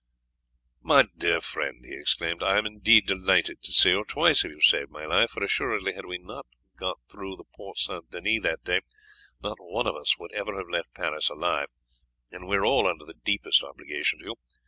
"My dear friend," he exclaimed, "I am indeed delighted to see you! Twice have you saved my life, for assuredly had we not got through the Port St. Denis that day not one of us would ever have left Paris alive, and we are all under the deepest obligation to you.